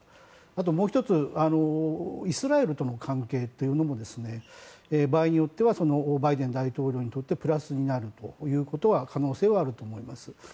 あともう１つイスラエルとの関係も場合によってはバイデン大統領にとってプラスになるということは可能性はあると思います。